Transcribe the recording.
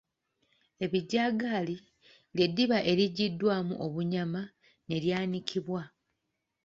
Ebijagali lye ddiba erijjiddwamu obunyama ne lyanikibwa.